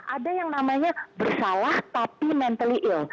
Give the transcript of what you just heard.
ada yang namanya bersalah tapi mentally ill